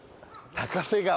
高瀬川。